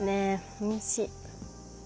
おいしい。